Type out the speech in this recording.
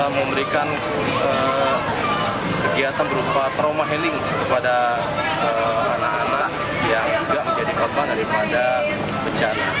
memberikan kegiatan berupa trauma healing kepada anak anak yang juga menjadi korban daripada bencana